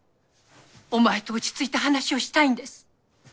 お前と落ち着いて話をしたいんです。